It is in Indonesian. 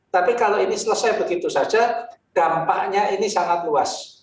tapi kalau ini selesai begitu saja dampaknya ini sangat luas